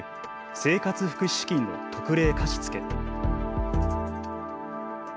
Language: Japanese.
「生活福祉資金の特例貸付」。